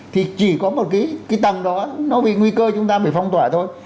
thì chỉ có một cái tầng đó nó vì nguy cơ chúng ta phải phong tỏa thôi